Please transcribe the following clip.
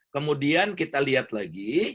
kemudian kita lihat lagi